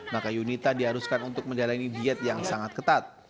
maka yunita diharuskan untuk menjalani diet yang sangat ketat